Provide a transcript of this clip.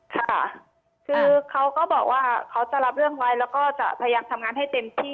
ค่ะคือเขาก็บอกว่าเขาจะรับเรื่องไว้แล้วก็จะพยายามทำงานให้เต็มที่